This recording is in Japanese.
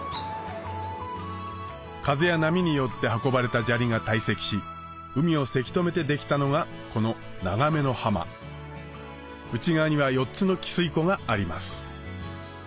風や波によって運ばれた砂利が堆積し海をせき止めてできたのがこの長目の浜内側には４つの汽水湖があります